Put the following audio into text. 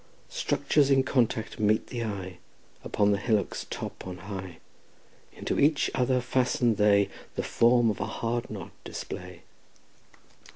Structures in contact meet the eye Upon the hillock's top on high; Into each other fastened they The form of a hard knot display.